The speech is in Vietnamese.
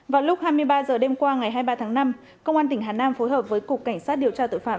vào lúc hai mươi ba h đêm qua ngày hai mươi ba tháng năm công an tp nam định phối hợp với cục cảnh sát điều tra tội phạm